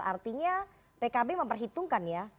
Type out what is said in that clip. artinya pkb memperhitungkan ya